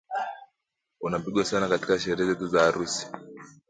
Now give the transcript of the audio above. Unapigwa sana katika sherehe zetu za harusi